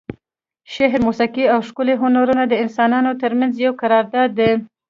شعر، موسیقي او ښکلي هنرونه د انسانانو ترمنځ یو قرارداد دی.